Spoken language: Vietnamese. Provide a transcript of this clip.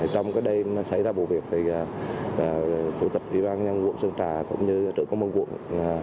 trong cái đêm xảy ra vụ việc thì phụ tập ủy ban nhân quận sơn trà cũng như trưởng công an quận